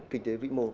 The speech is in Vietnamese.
kinh tế vĩ mô